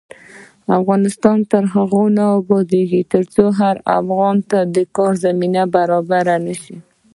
افغانستان تر هغو نه ابادیږي، ترڅو هر افغان ته د کار زمینه برابره نشي.